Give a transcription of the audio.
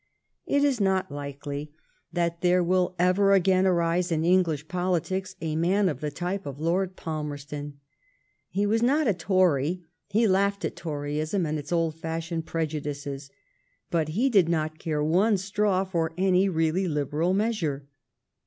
It is not likely that 252 THE STORY OF GLADSTONE'S LIFE there will ever again arise in English politics a man of the type of Lord Palmerston. He was not a Tory; he laughed at Toryism and its old fash ioned prejudices; but he did not care one straw for any really liberal measure.